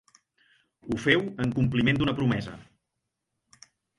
Ho feu en compliment d'una promesa.